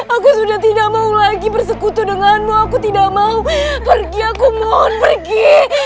aku sudah tidak mau lagi bersekutu denganmu aku tidak mau pergi aku mohon lagi